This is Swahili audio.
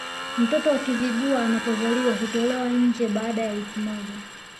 Mtoto wa Kizigua anapozaliwa hutolewa nje baada ya wiki moja